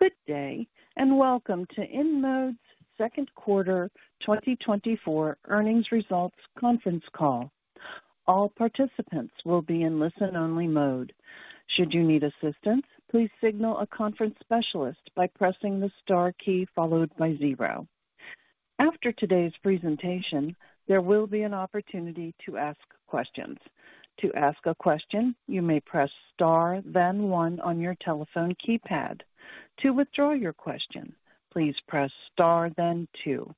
Good day, and welcome to InMode's second quarter 2024 earnings results conference call. All participants will be in listen-only mode. Should you need assistance, please signal a conference specialist by pressing the star key followed by zero. After today's presentation, there will be an opportunity to ask questions. To ask a question, you may press star then one on your telephone keypad. To withdraw your question, please press star then two.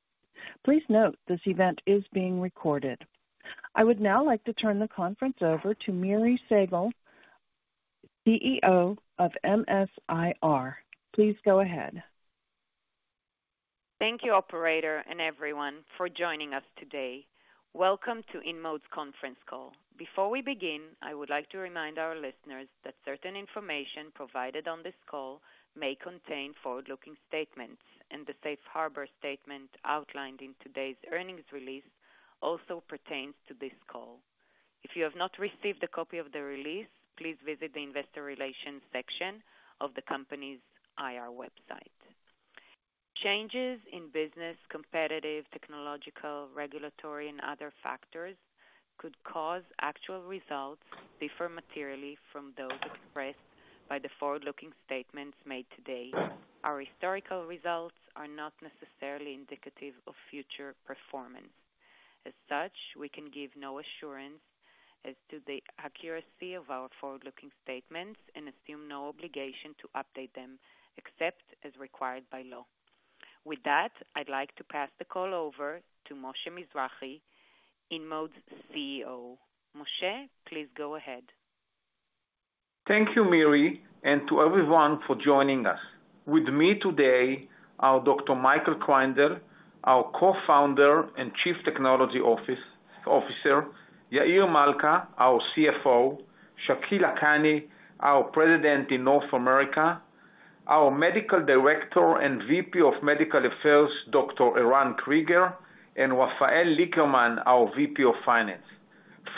Please note, this event is being recorded. I would now like to turn the conference over to Miri Segal, CEO of MS-IR. Please go ahead. Thank you, operator, and everyone for joining us today. Welcome to InMode's conference call. Before we begin, I would like to remind our listeners that certain information provided on this call may contain forward-looking statements, and the safe harbor statement outlined in today's earnings release also pertains to this call. If you have not received a copy of the release, please visit the investor relations section of the company's IR website. Changes in business, competitive, technological, regulatory, and other factors could cause actual results to differ materially from those expressed by the forward-looking statements made today. Our historical results are not necessarily indicative of future performance. As such, we can give no assurance as to the accuracy of our forward-looking statements and assume no obligation to update them, except as required by law. With that, I'd like to pass the call over to Moshe Mizrahy, InMode's CEO. Moshe, please go ahead. Thank you, Miri, and to everyone for joining us. With me today are Dr. Michael Kreindel, our co-founder and Chief Technology Officer, Yair Malca, our CFO, Shakil Lakhani, our President in North America, our Medical Director and VP of Medical Affairs, Dr. Eran Krieger, and Rafael Lickerman, our VP of Finance.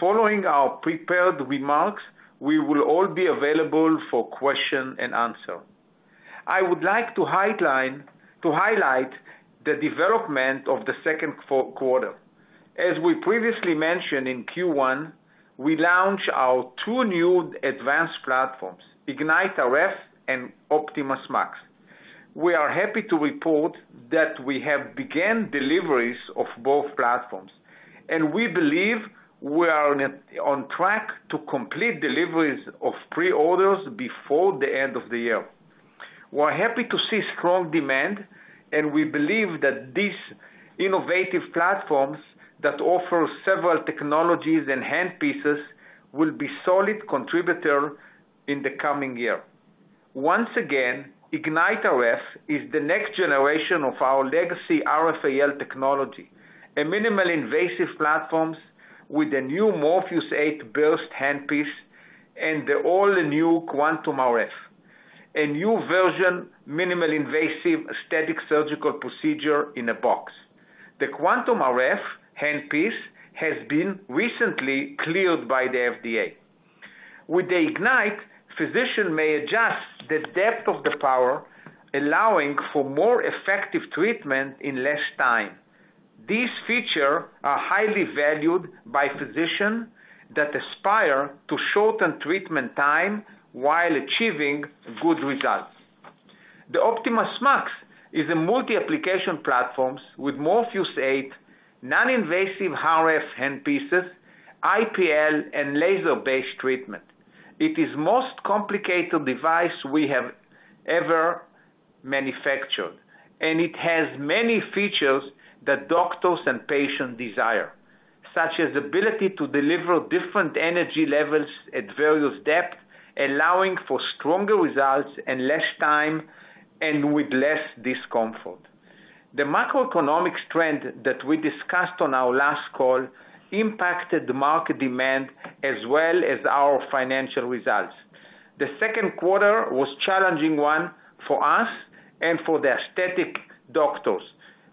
Following our prepared remarks, we will all be available for question and answer. I would like to highlight the development of the second quarter. As we previously mentioned in Q1, we launched our two new advanced platforms, IgniteRF and OptimasMAX. We are happy to report that we have begun deliveries of both platforms, and we believe we are on track to complete deliveries of pre-orders before the end of the year. We're happy to see strong demand, and we believe that these innovative platforms that offer several technologies and handpieces will be a solid contributor in the coming year. Once again, IgniteRF is the next generation of our legacy RFAL technology, a minimally invasive platform with a new Morpheus8 Burst handpiece and the all-new QuantumRF, a new version of minimally invasive aesthetic surgical procedure in a box. The QuantumRF handpiece has been recently cleared by the FDA. With the IgniteRF, physicians may adjust the depth of the power, allowing for more effective treatment in less time. These features are highly valued by physicians that aspire to shorten treatment time while achieving good results. The OptimasMAX is a multi-application platform with Morpheus8, non-invasive RF handpieces, IPL, and laser-based treatment. It is most complicated device we have ever manufactured, and it has many features that doctors and patients desire, such as ability to deliver different energy levels at various depth, allowing for stronger results in less time and with less discomfort. The macroeconomic trend that we discussed on our last call impacted the market demand as well as our financial results. The second quarter was challenging one for us and for the aesthetic doctors.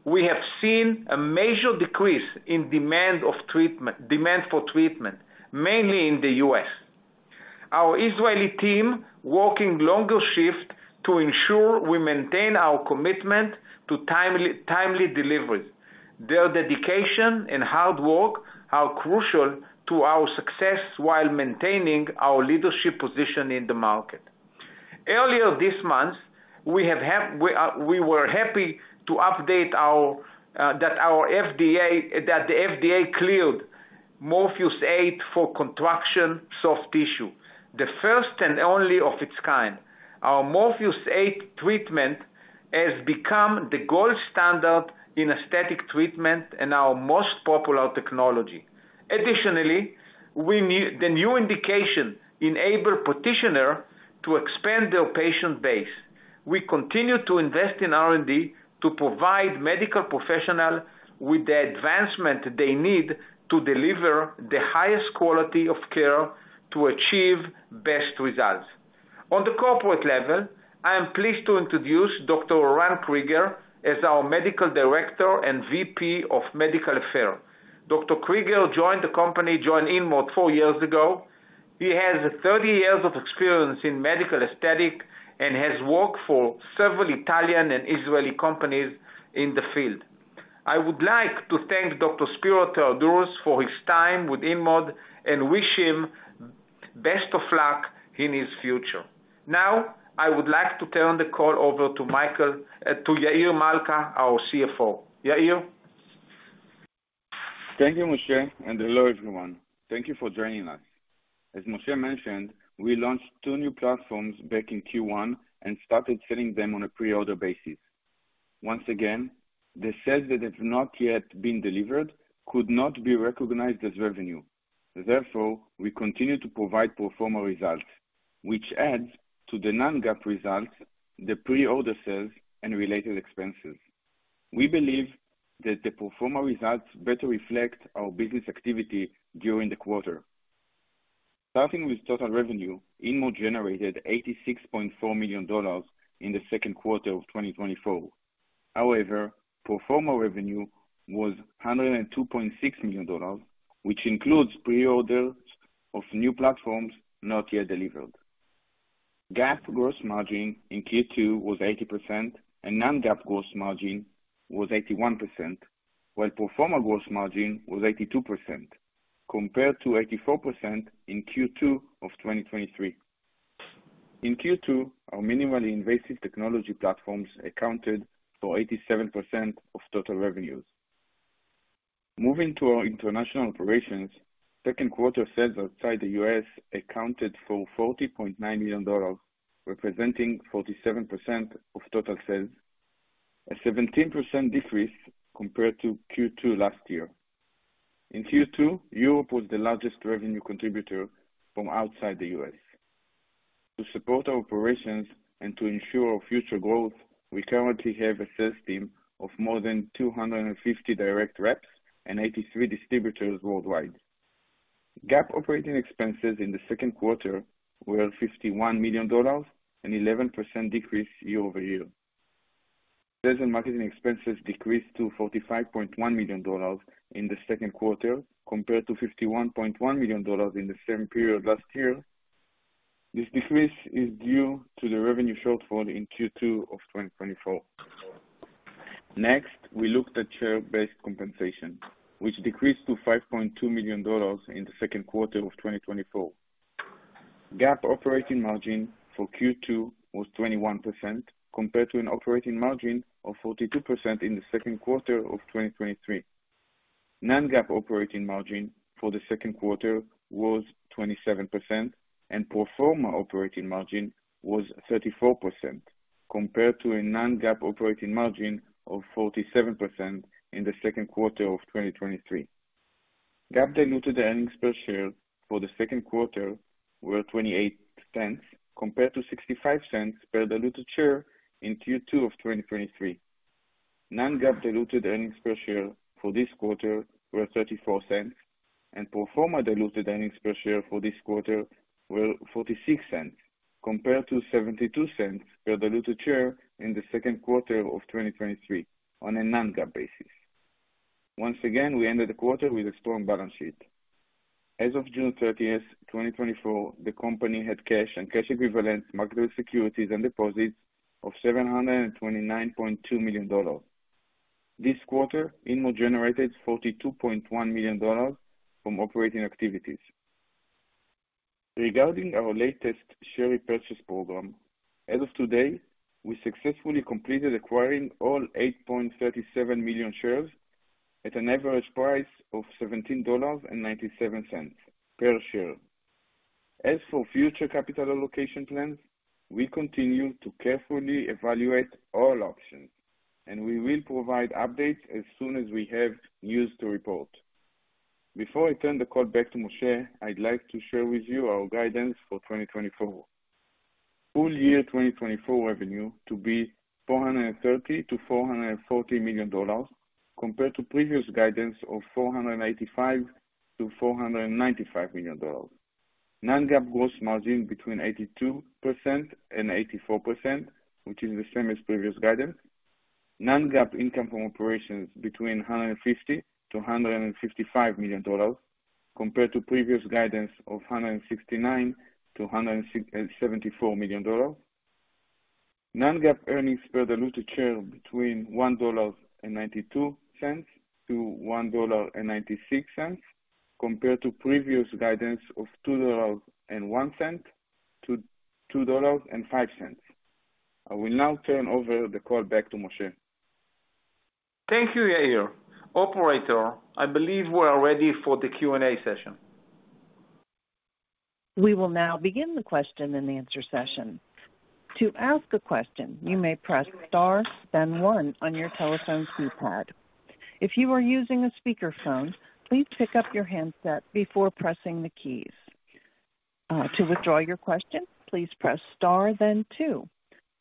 We have seen a major decrease in demand of treatment—demand for treatment, mainly in the U.S. Our Israeli team working longer shifts to ensure we maintain our commitment to timely, timely delivery. Their dedication and hard work are crucial to our success while maintaining our leadership position in the market. Earlier this month, we were happy to update that the FDA cleared Morpheus8 for soft tissue contraction, the first and only of its kind. Our Morpheus8 treatment has become the gold standard in aesthetic treatment and our most popular technology. Additionally, the new indication enables practitioners to expand their patient base. We continue to invest in R&D to provide medical professionals with the advancement they need to deliver the highest quality of care to achieve best results. On the corporate level, I am pleased to introduce Dr. Eran Krieger as our Medical Director and VP of Medical Affairs. Dr. Krieger joined InMode 4 years ago. He has 30 years of experience in medical aesthetics and has worked for several Italian and Israeli companies in the field. I would like to thank Dr. Spero Theodorou for his time with InMode and wish him best of luck in his future. Now, I would like to turn the call over to Michael, to Yair Malca, our CFO. Yair? Thank you, Moshe, and hello, everyone. Thank you for joining us. As Moshe mentioned, we launched two new platforms back in Q1 and started selling them on a pre-order basis. Once again, the sales that have not yet been delivered could not be recognized as revenue. Therefore, we continue to provide pro forma results, which adds to the non-GAAP results, the pre-order sales and related expenses. We believe that the pro forma results better reflect our business activity during the quarter. Starting with total revenue, InMode generated $86.4 million in the second quarter of 2024. However, pro forma revenue was $102.6 million, which includes pre-orders of new platforms not yet delivered. GAAP gross margin in Q2 was 80% and non-GAAP gross margin was 81%, while pro forma gross margin was 82%, compared to 84% in Q2 of 2023. In Q2, our minimally invasive technology platforms accounted for 87% of total revenues. Moving to our international operations, second quarter sales outside the U.S. accounted for $40.9 million, representing 47% of total sales, a 17% decrease compared to Q2 last year. In Q2, Europe was the largest revenue contributor from outside the U.S. To support our operations and to ensure our future growth, we currently have a sales team of more than 250 direct reps and 83 distributors worldwide. GAAP operating expenses in the second quarter were $51 million, an 11% decrease year-over-year. Sales and marketing expenses decreased to $45.1 million in the second quarter, compared to $51.1 million in the same period last year. This decrease is due to the revenue shortfall in Q2 of 2024. Next, we looked at share-based compensation, which decreased to $5.2 million in the second quarter of 2024. GAAP operating margin for Q2 was 21%, compared to an operating margin of 42% in the second quarter of 2023. Non-GAAP operating margin for the second quarter was 27%, and pro forma operating margin was 34%, compared to a non-GAAP operating margin of 47% in the second quarter of 2023. GAAP diluted earnings per share for the second quarter were $0.28, compared to $0.65 per diluted share in Q2 of 2023. Non-GAAP diluted earnings per share for this quarter were $0.34, and pro forma diluted earnings per share for this quarter were $0.46, compared to $0.72 per diluted share in the second quarter of 2023 on a non-GAAP basis. Once again, we ended the quarter with a strong balance sheet. As of June 30, 2024, the company had cash and cash equivalents, marketable securities and deposits of $729.2 million. This quarter, InMode generated $42.1 million from operating activities. Regarding our latest share repurchase program, as of today, we successfully completed acquiring all 8.37 million shares at an average price of $17.97 per share. As for future capital allocation plans, we continue to carefully evaluate all options, and we will provide updates as soon as we have news to report. Before I turn the call back to Moshe, I'd like to share with you our guidance for 2024. Full year 2024 revenue to be $430 million-$440 million, compared to previous guidance of $485 million-$495 million. Non-GAAP gross margin between 82% and 84%, which is the same as previous guidance. Non-GAAP income from operations between $150 million-$155 million, compared to previous guidance of $169 million-$174 million. Non-GAAP earnings per diluted share between $1.92-$1.96, compared to previous guidance of $2.01-$2.05. I will now turn over the call back to Moshe. Thank you, Yair. Operator, I believe we are ready for the Q&A session. We will now begin the question and answer session. To ask a question, you may press star then one on your telephone keypad. If you are using a speakerphone, please pick up your handset before pressing the keys. To withdraw your question, please press star then two.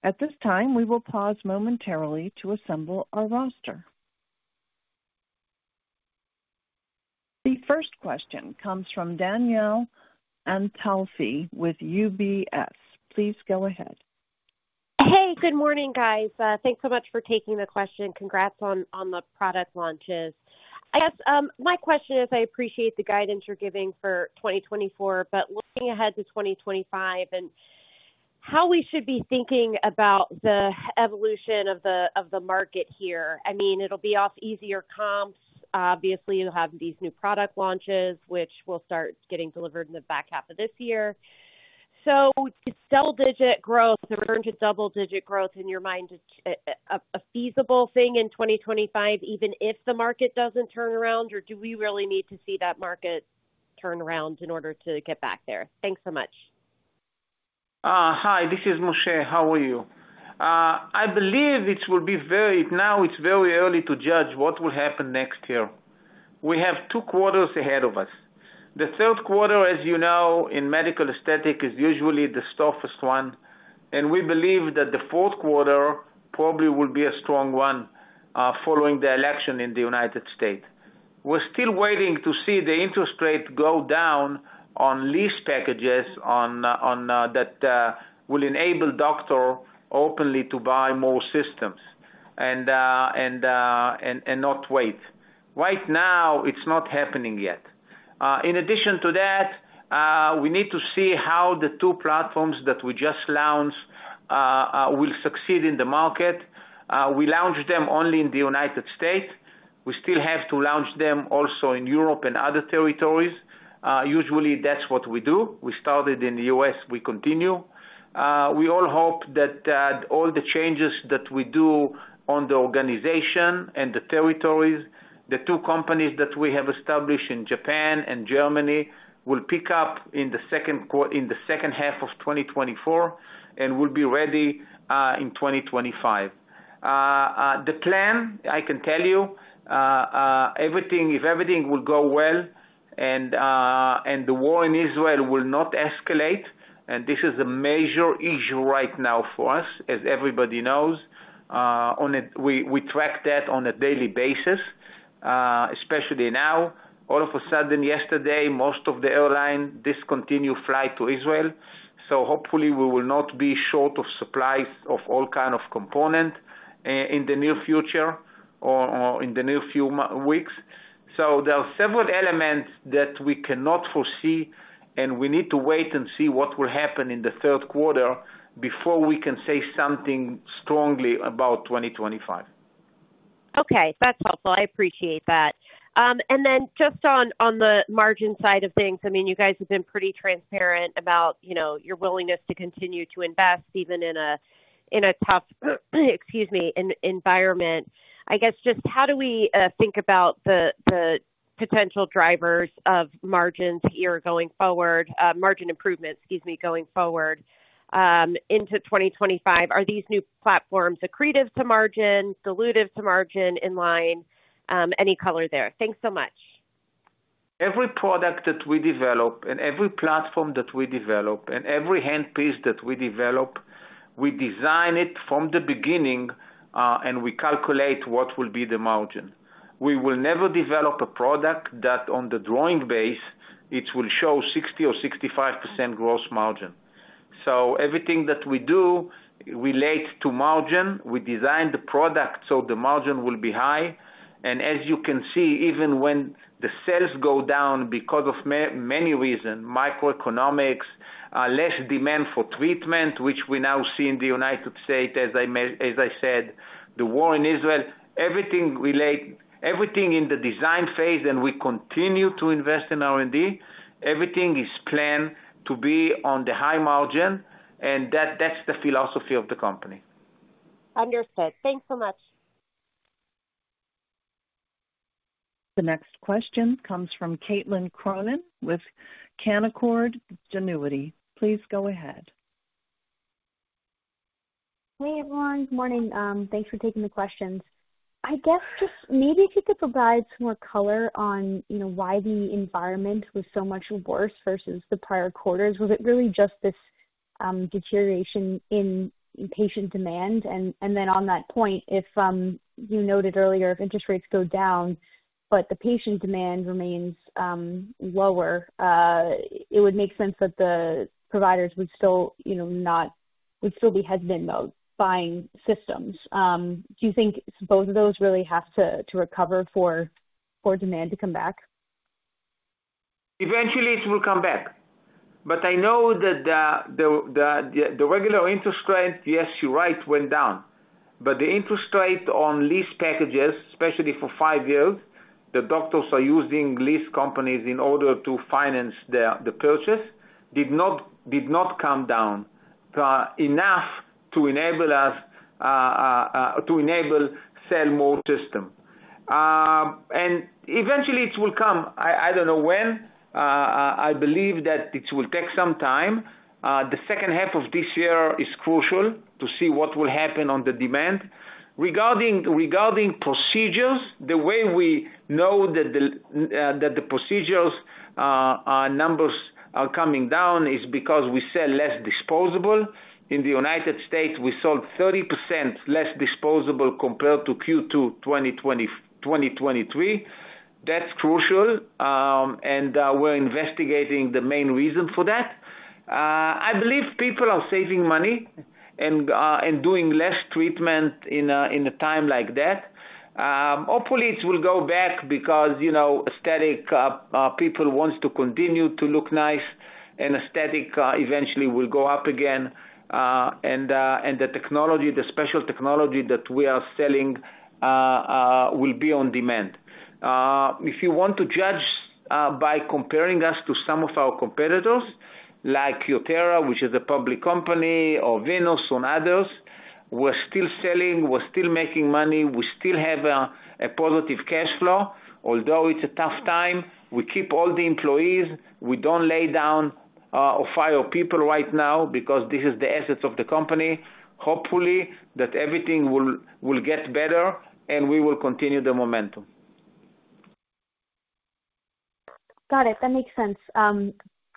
At this time, we will pause momentarily to assemble our roster. The first question comes from Danielle Antalffy with UBS. Please go ahead. Hey, good morning, guys. Thanks so much for taking the question. Congrats on the product launches. I guess my question is, I appreciate the guidance you're giving for 2024, but looking ahead to 2025 and how we should be thinking about the evolution of the market here. I mean, it'll be off easier comps. Obviously, you'll have these new product launches, which will start getting delivered in the back half of this year. So double-digit growth, the return to double-digit growth in your mind is a feasible thing in 2025, even if the market doesn't turn around? Or do we really need to see that market turn around in order to get back there? Thanks so much. Hi, this is Moshe. How are you? I believe it will be very early to judge what will happen next year. We have two quarters ahead of us. The third quarter, as you know, in medical aesthetic, is usually the toughest one, and we believe that the fourth quarter probably will be a strong one, following the election in the United States. We're still waiting to see the interest rate go down on lease packages on that will enable doctors openly to buy more systems and not wait. Right now, it's not happening yet. In addition to that, we need to see how the two platforms that we just launched will succeed in the market. We launched them only in the United States. We still have to launch them also in Europe and other territories. Usually, that's what we do. We started in the U.S., we continue. We all hope that all the changes that we do on the organization and the territories, the two companies that we have established in Japan and Germany, will pick up in the second half of 2024 and will be ready in 2025. The plan, I can tell you, everything, if everything will go well and the war in Israel will not escalate, and this is a major issue right now for us, as everybody knows. We track that on a daily basis, especially now. All of a sudden, yesterday, most of the airlines discontinue flight to Israel, so hopefully we will not be short of supplies of all kind of component in the near future or in the near few weeks. So there are several elements that we cannot foresee, and we need to wait and see what will happen in the third quarter before we can say something strongly about 2025. Okay. That's helpful. I appreciate that. And then just on the margin side of things, I mean, you guys have been pretty transparent about, you know, your willingness to continue to invest even in a tough environment. I guess just how do we think about the potential drivers of margins here going forward, margin improvements, excuse me, going forward into 2025? Are these new platforms accretive to margin, dilutive to margin, in line? Any color there. Thanks so much. Every product that we develop and every platform that we develop, and every handpiece that we develop, we design it from the beginning, and we calculate what will be the margin. We will never develop a product that on the drawing base, it will show 60% or 65% gross margin. So everything that we do relate to margin, we design the product so the margin will be high. And as you can see, even when the sales go down because of many reasons, microeconomics, less demand for treatment, which we now see in the United States, as I said, the war in Israel, everything in the design phase, and we continue to invest in R&D. Everything is planned to be on the high margin, and that, that's the philosophy of the company. Understood. Thanks so much. The next question comes from Caitlin Cronin with Canaccord Genuity. Please go ahead. Hey, everyone. Good morning. Thanks for taking the questions. I guess just maybe if you could provide some more color on, you know, why the environment was so much worse versus the prior quarters. Was it really just this deterioration in patient demand? And then on that point, if you noted earlier, if interest rates go down, but the patient demand remains lower, it would make sense that the providers would still, you know not, would still be hesitant about buying systems. Do you think both of those really have to recover for demand to come back? Eventually, it will come back. But I know that the regular interest rate, yes, you're right, went down. But the interest rate on lease packages, especially for five years, the doctors are using lease companies in order to finance the purchase, did not come down enough to enable us to sell more system. And eventually it will come. I don't know when. I believe that it will take some time. The second half of this year is crucial to see what will happen on the demand. Regarding procedures, the way we know that the procedures numbers are coming down is because we sell less disposable. In the United States, we sold 30% less disposable compared to Q2 2023. That's crucial, and we're investigating the main reason for that. I believe people are saving money and doing less treatment in a time like that. Hopefully it will go back because, you know, aesthetic people want to continue to look nice, and aesthetic eventually will go up again, and the technology, the special technology that we are selling, will be on demand. If you want to judge by comparing us to some of our competitors, like Cutera, which is a public company, or Venus, and others, we're still selling, we're still making money, we still have a positive cash flow. Although it's a tough time, we keep all the employees, we don't lay down, or fire people right now because this is the assets of the company. Hopefully, that everything will get better, and we will continue the momentum. Got it. That makes sense.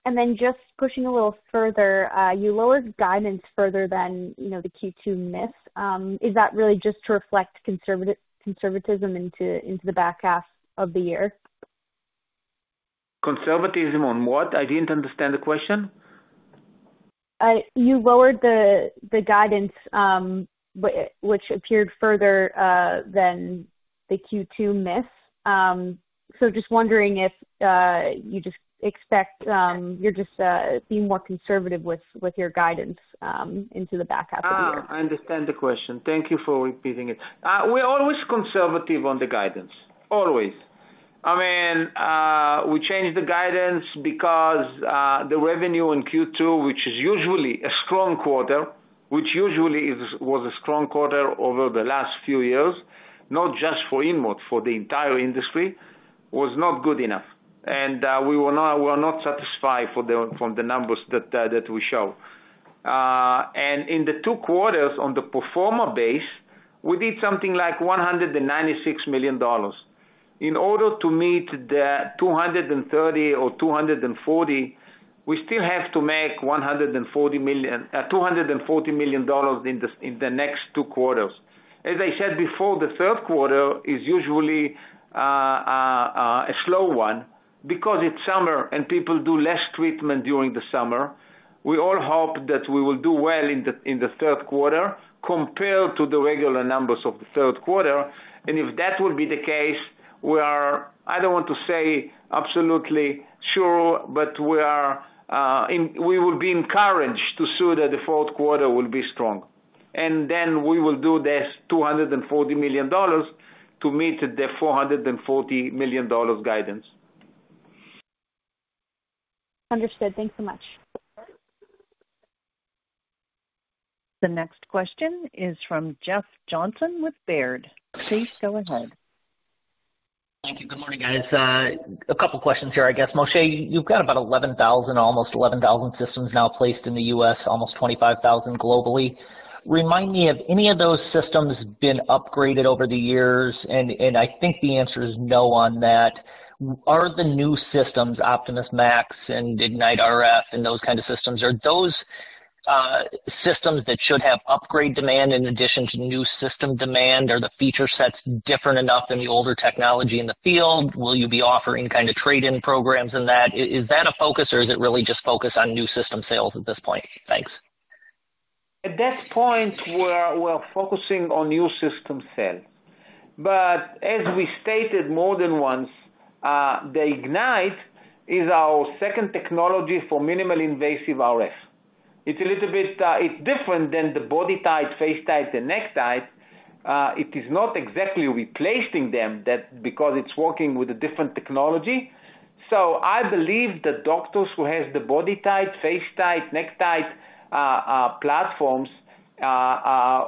And then just pushing a little further, you lowered guidance further than, you know, the Q2 miss. Is that really just to reflect conservatism into the back half of the year? Conservatism on what? I didn't understand the question. You lowered the, the guidance, which appeared further than the Q2 miss. So just wondering if you just expect you're just being more conservative with your guidance into the back half of the year? Ah, I understand the question. Thank you for repeating it. We're always conservative on the guidance, always. I mean, we changed the guidance because the revenue in Q2, which is usually a strong quarter, which usually was a strong quarter over the last few years, not just for InMode, for the entire industry, was not good enough. We're not satisfied from the numbers that that we show. In the two quarters on the pro forma base, we did something like $196 million. In order to meet the $230 or $240, we still have to make $140 million, $240 million in the, in the next two quarters. As I said before, the third quarter is usually a slow one because it's summer and people do less treatment during the summer. We all hope that we will do well in the, in the third quarter, compared to the regular numbers of the third quarter, and if that will be the case, we are... I don't want to say absolutely sure, but we are, we will be encouraged to see that the fourth quarter will be strong. And then we will do this $240 million to meet the $440 million guidance. Understood. Thanks so much. The next question is from Jeff Johnson with Baird. Please go ahead. Thank you. Good morning, guys. A couple questions here, I guess. Moshe, you've got about 11,000, almost 11,000 systems now placed in the US, almost 25,000 globally. Remind me, have any of those systems been upgraded over the years? I think the answer is no on that. Are the new systems, OptimasMAX and IgniteRF and those kind of systems, are those systems that should have upgrade demand in addition to new system demand? Are the feature sets different enough than the older technology in the field? Will you be offering kind of trade-in programs in that? Is that a focus, or is it really just focused on new system sales at this point? Thanks. At this point, we're focusing on new system sales. But as we stated more than once, the Ignite is our second technology for minimally invasive RF. It's a little bit, it's different than the BodyTite, FaceTite, and NeckTite. It is not exactly replacing them, that because it's working with a different technology. So I believe the doctors who has the BodyTite, FaceTite, NeckTite platforms,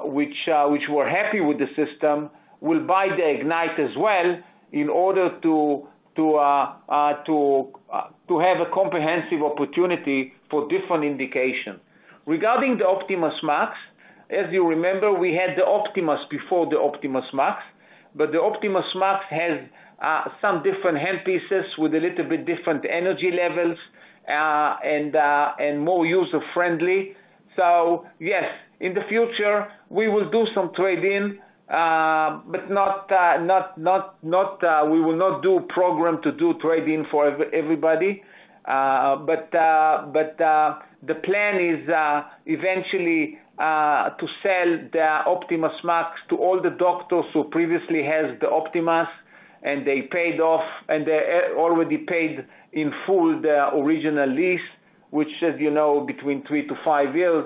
which were happy with the system, will buy the Ignite as well in order to have a comprehensive opportunity for different indications. Regarding the OptimasMAX, as you remember, we had the Optimas before the OptimasMAX, but the OptimasMAX has some different handpieces with a little bit different energy levels, and more user-friendly. Yes, in the future, we will do some trade-in, but not, we will not do program to do trade-in for everybody. But the plan is eventually to sell the OptimasMAX to all the doctors who previously has the Optimas, and they already paid in full their original lease, which is, you know, between 3-5 years.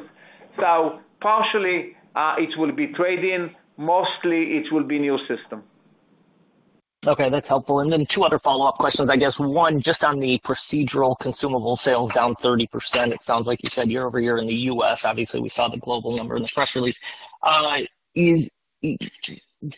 So partially, it will be trade-in, mostly it will be new system. Okay, that's helpful. And then two other follow-up questions, I guess. One, just on the procedural consumable sales down 30%, it sounds like you said year-over-year in the US. Obviously, we saw the global number in the press release.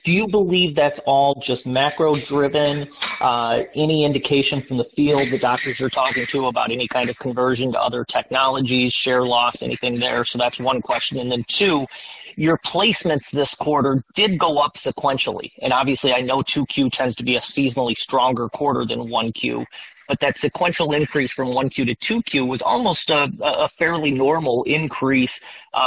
Do you believe that's all just macro-driven? Any indication from the field, the doctors you're talking to, about any kind of conversion to other technologies, share loss, anything there? So that's one question. And then two, your placements this quarter did go up sequentially, and obviously I know 2Q tends to be a seasonally stronger quarter than 1Q, but that sequential increase from 1Q to 2Q was almost a fairly normal increase,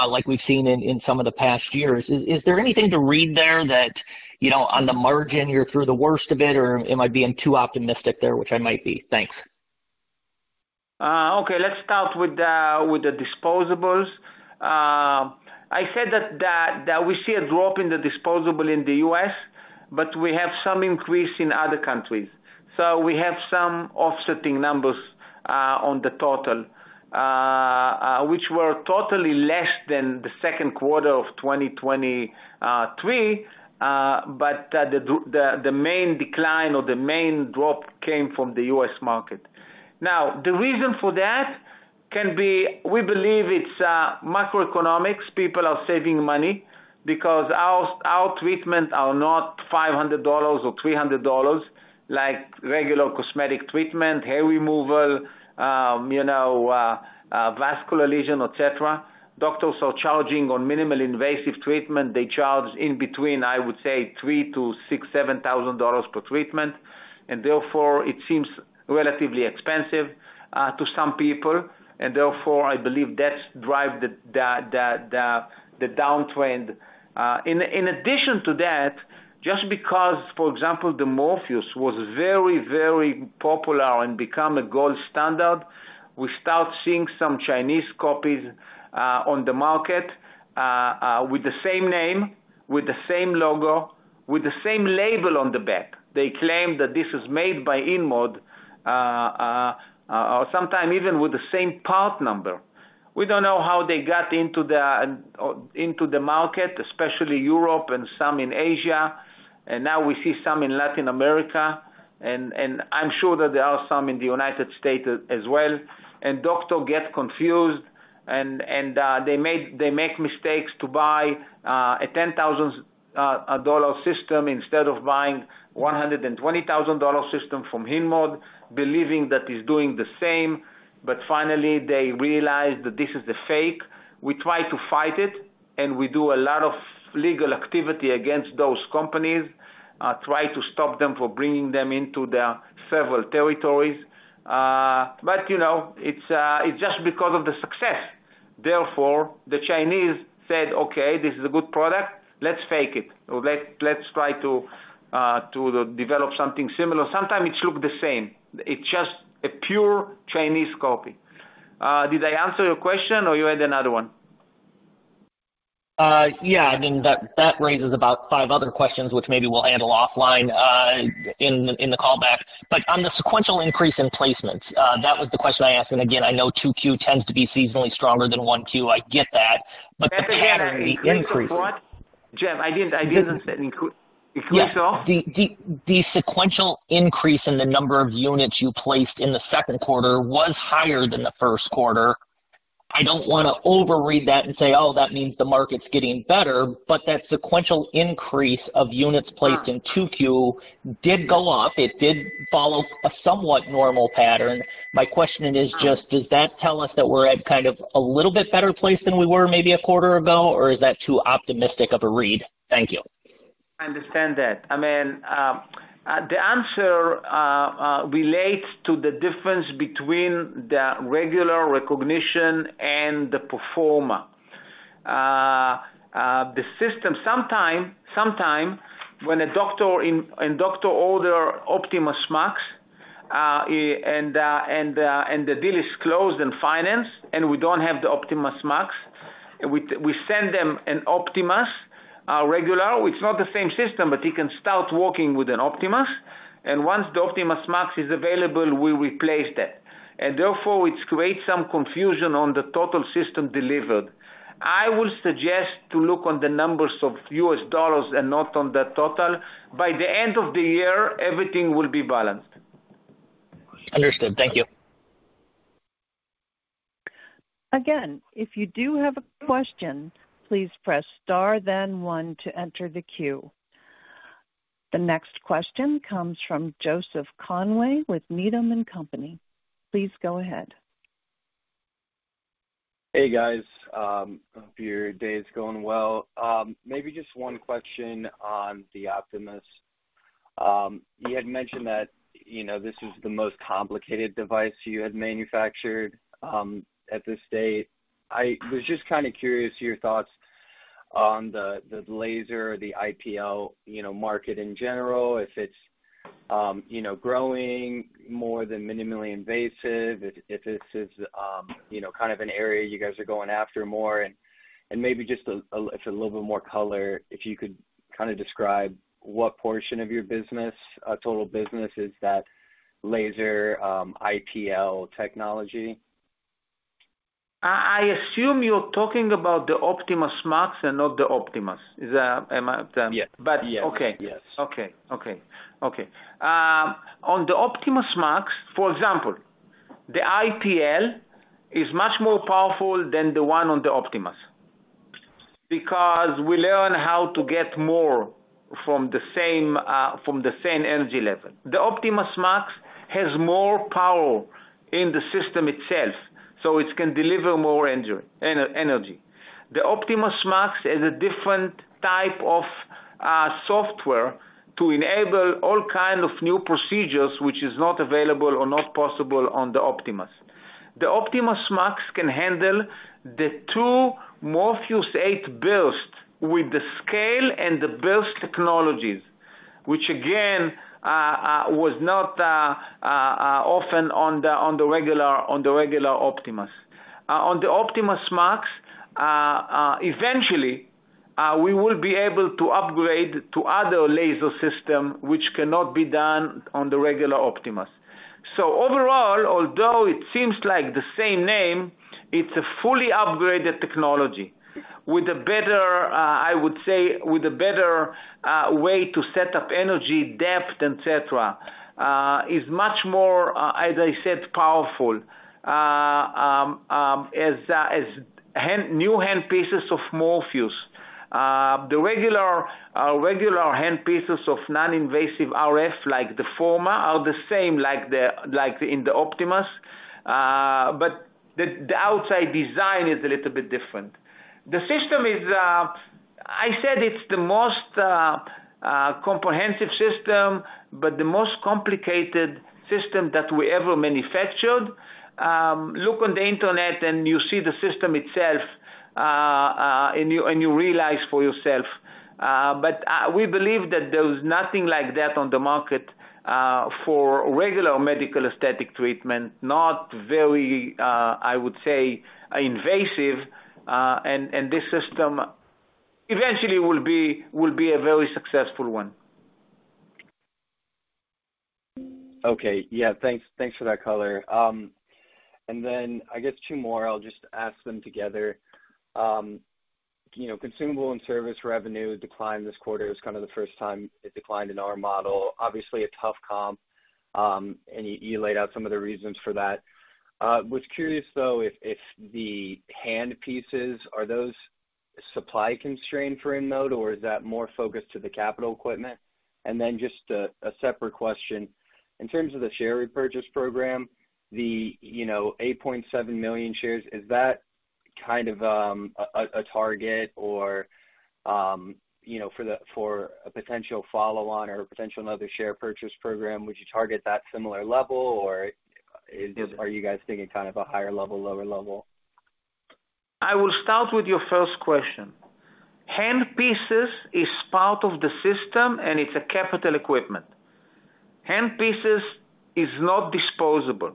like we've seen in some of the past years. Is there anything to read there that, you know, on the margin, you're through the worst of it, or am I being too optimistic there? Which I might be. Thanks. Okay, let's start with the disposables. I said that we see a drop in the disposable in the U.S., but we have some increase in other countries. So we have some offsetting numbers on the total, which were totally less than the second quarter of 2023. But the main decline or the main drop came from the U.S. market. Now, the reason for that can be, we believe it's macroeconomics. People are saving money because our treatment are not $500 or $300, like regular cosmetic treatment, hair removal, you know, vascular lesion, et cetera. Doctors are charging on minimally invasive treatment. They charge in between, I would say, $3,000 to $6,000-$7,000 per treatment, and therefore, it seems relatively expensive to some people. Therefore, I believe that's drive the downtrend. In addition to that, just because, for example, the Morpheus was very, very popular and become a gold standard, we start seeing some Chinese copies on the market with the same name, with the same logo, with the same label on the back. They claim that this is made by InMode, or sometime even with the same part number. We don't know how they got into the market, especially Europe and some in Asia, and now we see some in Latin America, and I'm sure that there are some in the United States as well. Doctor get confused, they make mistakes to buy a $10,000 dollar system instead of buying a $120,000 dollar system from InMode, believing that is doing the same, but finally, they realize that this is a fake. We try to fight it, and we do a lot of legal activity against those companies, try to stop them for bringing them into the several territories. But, you know, it's just because of the success. Therefore, the Chinese said, "Okay, this is a good product. Let's fake it, or let's try to develop something similar." Sometimes it look the same. It's just a pure Chinese copy. Did I answer your question or you had another one? Yeah, I mean, that raises about five other questions, which maybe we'll handle offline, in the call back. But on the sequential increase in placements, that was the question I asked, and again, I know 2Q tends to be seasonally stronger than 1Q. I get that, but the pattern, the increase- Jim, I didn't say increase though? Yeah. The sequential increase in the number of units you placed in the second quarter was higher than the first quarter. I don't wanna overread that and say, "Oh, that means the market's getting better," but that sequential increase of units placed in 2Q did go up. It did follow a somewhat normal pattern. My question is just, does that tell us that we're at kind of a little bit better place than we were maybe a quarter ago, or is that too optimistic of a read? Thank you. I understand that. I mean, the answer relates to the difference between the regular recognition and the pro forma. The system, sometime when a doctor orders OptimasMAX, and the deal is closed in finance, and we don't have the OptimasMAX, we send them an Optimas regular. It's not the same system, but he can start working with an Optimas, and once the OptimasMAX is available, we replace that. And therefore, it's create some confusion on the total system delivered. I will suggest to look on the numbers of US dollars and not on the total. By the end of the year, everything will be balanced. Understood. Thank you. Again, if you do have a question, please press Star, then one to enter the queue. The next question comes from Joseph Conway with Needham & Company. Please go ahead. Hey, guys, hope your day is going well. Maybe just one question on the Optimas. You had mentioned that, you know, this is the most complicated device you had manufactured, at this stage. I was just kind of curious your thoughts on the, the laser, the IPL, you know, market in general, if it's, you know, growing more than minimally invasive, if this is, you know, kind of an area you guys are going after more. And maybe just a little bit more color, if you could kind of describe what portion of your business, total business is that laser, IPL technology? I assume you're talking about the OptimasMAX and not the Optimas. Is that, am I- Yeah. But- Yeah. Okay. Yes.Okay. On the OptimasMAX, for example, the IPL is much more powerful than the one on the Optimas. Because we learn how to get more from the same, from the same energy level. The OptimasMAX has more power in the system itself, so it can deliver more energy, energy. The OptimasMAX is a different type of software to enable all kind of new procedures, which is not available or not possible on the Optimas. The OptimasMAX can handle the two Morpheus8 Burst with the scale and the burst technologies, which again was not often on the regular Optimas. On the OptimasMAX, eventually we will be able to upgrade to other laser system, which cannot be done on the regular Optimas. So overall, although it seems like the same name, it's a fully upgraded technology with a better, I would say, with a better, way to set up energy, depth, et cetera. Is much more, as I said, powerful. As new handpieces of Morpheus. The regular, regular handpieces of non-invasive RF, like the Forma, are the same like the, like in the Optimas, but the, the outside design is a little bit different. The system is, I said it's the most, comprehensive system, but the most complicated system that we ever manufactured. Look on the internet, and you see the system itself, and you, and you realize for yourself. But, we believe that there is nothing like that on the market, for regular medical aesthetic treatment. Not very invasive, I would say, and this system eventually will be a very successful one. Okay. Yeah, thanks, thanks for that color. And then I guess two more, I'll just ask them together. You know, consumable and service revenue declined this quarter. It's kind of the first time it declined in our model. Obviously, a tough comp, and you laid out some of the reasons for that. Was curious, though, if the handpieces are those supply-constrained for InMode, or is that more focused to the capital equipment? And then just a separate question: in terms of the share repurchase program, you know, 8.7 million shares, is that kind of a target or, you know, for the, for a potential follow-on or potential another share purchase program, would you target that similar level, or are you guys thinking kind of a higher level, lower level? I will start with your first question. Handpieces is part of the system, and it's a capital equipment. Handpieces is not disposable.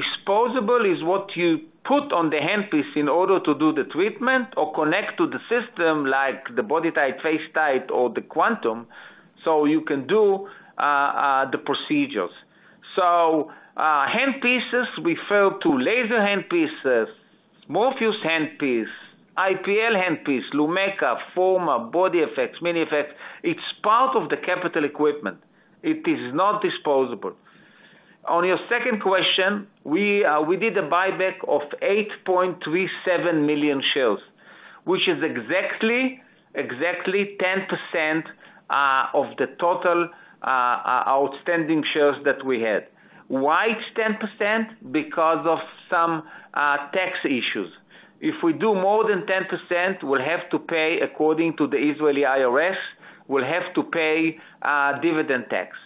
Disposable is what you put on the handpiece in order to do the treatment or connect to the system, like the BodyTite, FaceTite, or the Quantum, so you can do the procedures. So, handpieces refer to laser handpieces, Morpheus handpiece, IPL handpiece, Lumecca, Forma, BodyFX, MiniFX. It's part of the capital equipment. It is not disposable. On your second question, we, we did a buyback of 8.37 million shares, which is exactly, exactly 10%, of the total, outstanding shares that we had. Why it's 10%? Because of some, tax issues. If we do more than 10%, we'll have to pay, according to the Israeli IRS, we'll have to pay, dividend tax.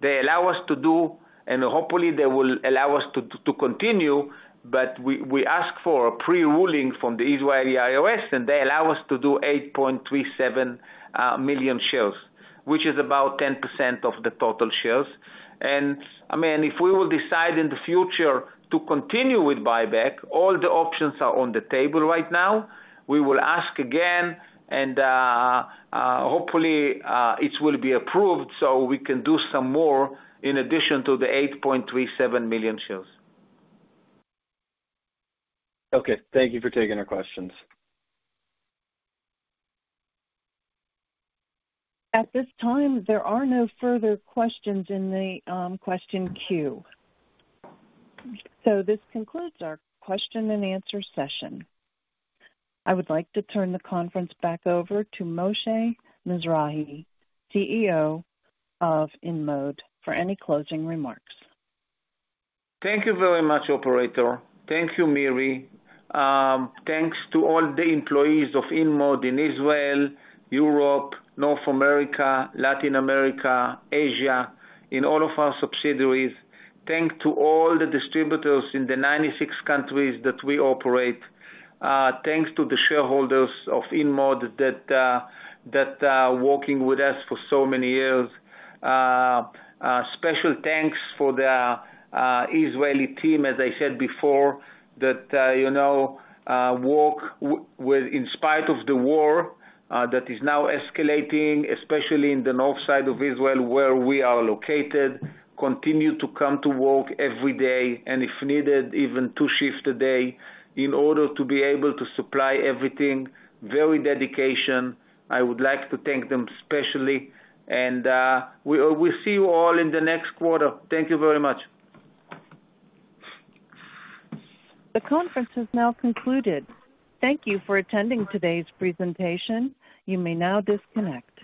They allow us to do, and hopefully they will allow us to continue, but we ask for a pre-ruling from the Israeli IRS, and they allow us to do 8.37 million shares, which is about 10% of the total shares. And, I mean, if we will decide in the future to continue with buyback, all the options are on the table right now. We will ask again, and hopefully it will be approved, so we can do some more in addition to the 8.37 million shares. Okay, thank you for taking our questions. At this time, there are no further questions in the question queue. This concludes our question and answer session. I would like to turn the conference back over to Moshe Mizrahy, CEO of InMode, for any closing remarks. Thank you very much, operator. Thank you, Miri. Thanks to all the employees of InMode in Israel, Europe, North America, Latin America, Asia, in all of our subsidiaries. Thanks to all the distributors in the 96 countries that we operate. Thanks to the shareholders of InMode that, that, working with us for so many years. Special thanks for the Israeli team, as I said before, that, you know, work with in spite of the war, that is now escalating, especially in the north side of Israel, where we are located, continue to come to work every day, and if needed, even two shifts a day, in order to be able to supply everything, very dedication. I would like to thank them especially. We'll see you all in the next quarter. Thank you very much. The conference is now concluded. Thank you for attending today's presentation. You may now disconnect.